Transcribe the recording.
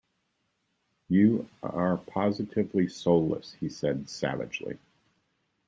You are positively soulless, he said savagely.